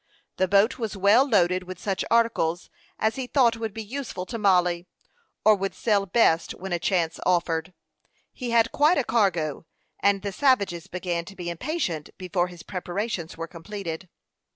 The boat was well loaded with such articles as he thought would be useful to Mollie, or would sell best when a chance offered. He had quite a cargo, and the savages began to be impatient before his preparations were completed.